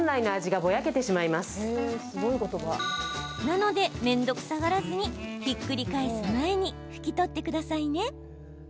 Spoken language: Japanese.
なので、面倒くさがらずにひっくり返す前に拭き取ってくださいね。